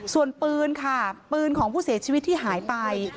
ส่วนปืนค่ะปืนของผู้เสียชีวิตที่หายไป